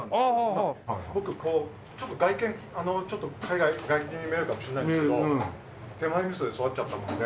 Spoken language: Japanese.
僕ちょっと外見外国人に見えるかもしれないんですけど手前味噌で育っちゃったもんで。